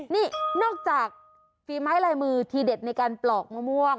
นี่นอกจากฝีไม้ลายมือทีเด็ดในการปลอกมะม่วง